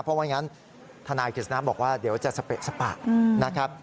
เพราะว่าอย่างนั้นทนายกฤษณะบอกว่าเดี๋ยวจะสเปะสปะนะครับ